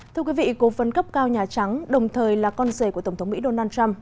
thưa quý vị cố vấn cấp cao nhà trắng đồng thời là con rể của tổng thống mỹ donald trump